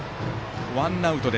ワンアウト。